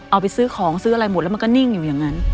เอาไปซื้อของซื้ออะไรหมดแล้วมันก็นิ่งอยู่อย่างนั้น